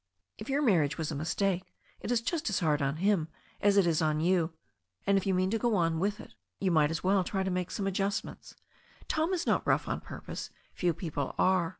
If your marriage was a mistake, it is just as hard on him as it is on you. And, if you mean to go on with it, you might as well try to make some adjustments., Tom is not rough on purpose. Few people are.